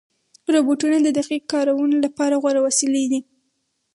روبوټونه د دقیق کارونو لپاره غوره وسیلې دي.